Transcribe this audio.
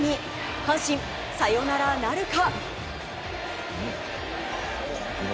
阪神、サヨナラなるか？